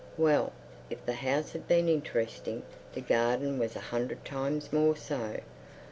Well, if the house had been interesting, the garden was a hundred times more so.